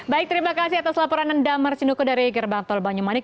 baik terima kasih atas laporan dan damar sinuko dari gerbang tol banyumanik